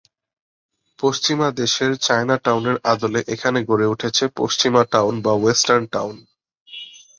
পশ্চিমা দেশের চায়না টাউনের আদলে এখানে গড়ে উঠেছে পশ্চিমা টাউন বা ওয়েস্টার্ন টাউন।